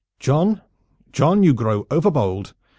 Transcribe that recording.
John, John, you grow overbold.